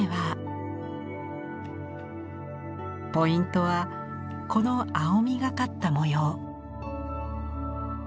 ポイントはこの青みがかった模様。